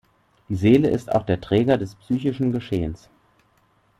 Die Seele ist auch der Träger des psychischen Geschehens.